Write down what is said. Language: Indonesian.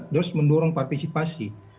terus mendorong partisipasi